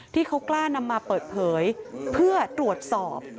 ที่เขากล้านำมาเปิดเผยเพื่อตรวจสอบ